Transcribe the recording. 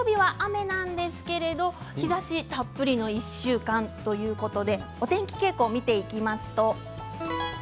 日曜日は雨なんですけれど日ざしたっぷりの１週間ということでお天気傾向を見ていきましょう。